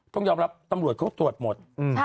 ต้องยอมรับตำรวจเขาตรวจหมด